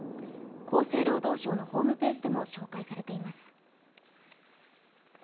厚生労働省のホームページでも紹介されています。